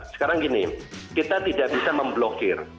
sekarang gini kita tidak bisa memblokir